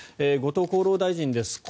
後藤厚労大臣です。